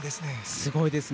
すごいですね。